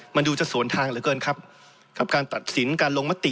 มันดูจะสวนทางเหลือเกินครับกับการตัดสินการลงมติ